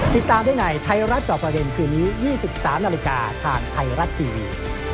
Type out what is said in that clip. ติดตามได้ในไทยรัฐจอบประเด็นคืนนี้๒๓นาฬิกาทางไทยรัฐทีวี